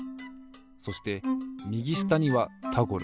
そしてみぎしたには「タゴラ」。